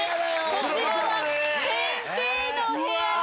こちら先生のお部屋で。